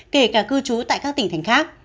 kể cả cư trú tại các tỉnh thành khác